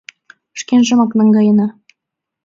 Шкенжымак наҥгаена.